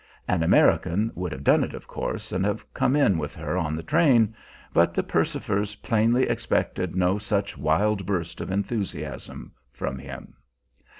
An American would have done it, of course, and have come in with her on the train; but the Percifers plainly expected no such wild burst of enthusiasm from him.